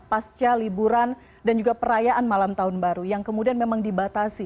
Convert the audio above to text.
pasca liburan dan juga perayaan malam tahun baru yang kemudian memang dibatasi